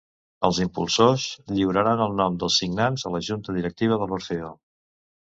Els impulsors lliuraran el nom dels signants a la junta directiva de l’orfeó.